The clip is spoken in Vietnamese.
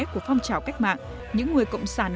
của phong trào cách mạng những người cộng sản